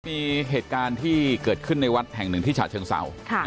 มีเหตุการณ์ที่เกิดขึ้นในวัดแห่งหนึ่งที่ฉะเชิงเศร้า